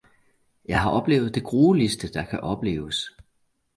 Jeg har oplevet det grueligste, der kan opleves!